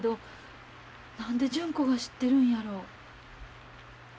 何で純子が知ってるんやろう。